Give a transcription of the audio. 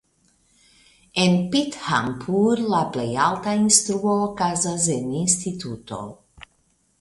En Pithampur la plej alta instruo okazas en instituto.